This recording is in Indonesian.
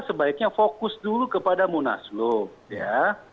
sebaiknya fokus dulu kepada munaslup ya